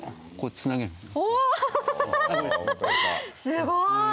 すごい！